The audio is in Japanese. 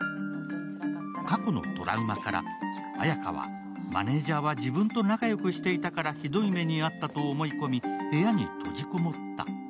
過去のトラウマから綾華はマネージャーは自分と仲よくしていたからひどい目に遭ったと思い込み、部屋に閉じこもった。